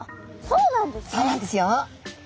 そうなんですよ！